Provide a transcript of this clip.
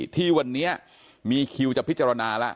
ที่วันนี้มีคิวจะพิจารณาแล้ว